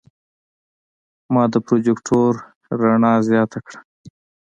ما د پروجیکتور رڼا زیاته کړه.